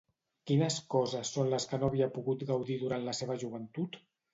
Quines coses són les que no havia pogut gaudir durant la seva joventut?